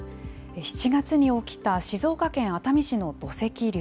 ７月に起きた静岡県熱海市の土石流。